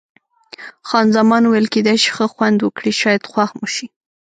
خان زمان وویل: کېدای شي ښه خوند وکړي، شاید خوښ مو شي.